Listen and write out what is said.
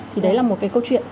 thì đấy là một cái câu chuyện